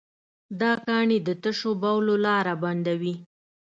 دا کاڼي د تشو بولو لاره بندوي.